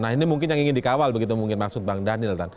nah ini mungkin yang ingin dikawal begitu mungkin masuk bang dhanil